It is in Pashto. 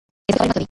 اضافي خبرې مه کوئ.